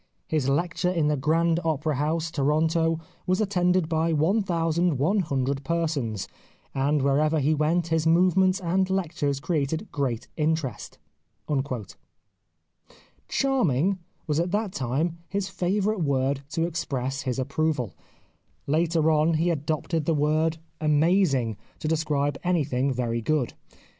His lecture in the Grand Opera House, Toronto, was attended by iioo persons, and wherever he went his movements and lectures created great interest." " Charming " was at that time his favourite word to express his approval. Later on he 2IO The Life of Oscar Wilde adopted the word " amazing " to describe any thing very good.